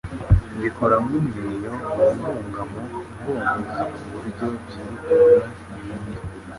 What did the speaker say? Bikora nk' umweyo mu rwungano ngogozi ku buryo byirukana imyanda